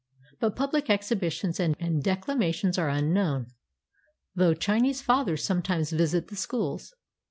But public ex hibitions and declamations are unknown, though Chin ese fathers sometimes visit the schools.